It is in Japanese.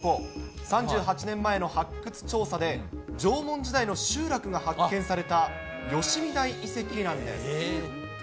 実はここ、３８年前の発掘調査で、縄文時代の集落が発見された吉見台遺跡なんです。